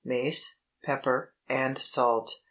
Mace, pepper, and salt.